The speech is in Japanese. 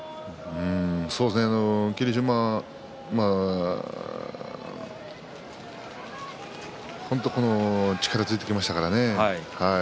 霧島は本当に力ついてきましたからね。